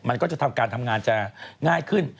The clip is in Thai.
มันก็จะทำการทำงานจะง่ายขึ้น